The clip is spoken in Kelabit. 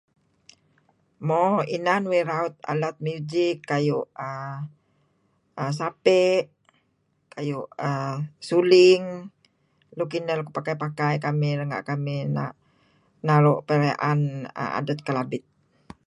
Mo inan uih raut alat music kayu' Sape', kayu' Suling, nuk inah pakai-pakai kamih renga' naru perayaan adat Kelabit.